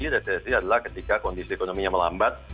resesi adalah ketika kondisi ekonominya melambat